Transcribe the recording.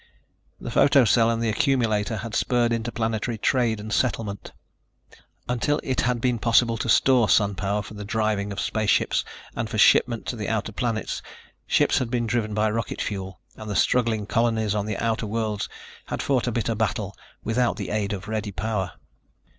The photo cell and the accumulator had spurred interplanetary trade and settlement. Until it had been possible to store Sun power for the driving of spaceships and for shipment to the outer planets, ships had been driven by rocket fuel, and the struggling colonies on the outer worlds had fought a bitter battle without the aid of ready power.